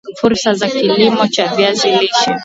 Fursa za kilimo cha viazi lishe